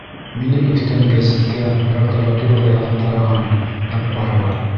Минең өҫтән гәзиткә, прокуратураға яҙып ҡараған Яппарова.